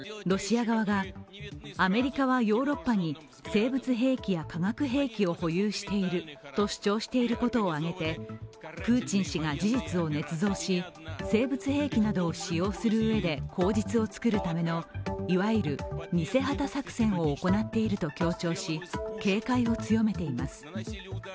ロシア側がアメリカはヨーロッパに生物兵器や化学兵器を保有していると主張していることを挙げてプーチン氏が事実をねつ造し生物兵器などを使用するうえで口実を作るための、いわゆる偽旗作戦を行っていると強調し警戒を強めています。